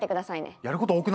やること多くない？